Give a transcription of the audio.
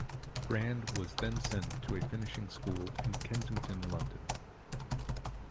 Grand was then sent to a finishing school in Kensington, London.